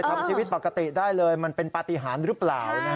ทำชีวิตปกติได้เลยมันเป็นปฏิหารหรือเปล่า